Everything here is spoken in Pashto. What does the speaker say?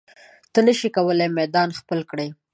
ته نشې کولی میدان خپل کړې.